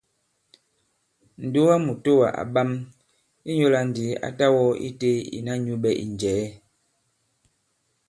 Ǹdugamùtowà à ɓam ; ìnyula ndi a ta wɔ ite ìna nyũɓɛ ì njɛ̀ɛ.